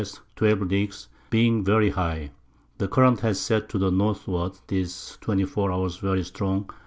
12 Leagues, being very high. The Current has set to the Northward this 24 Hours very strong.